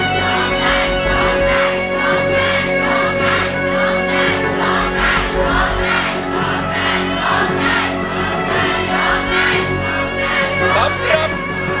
สำหรับเพลงที่หนึ่งนะครับ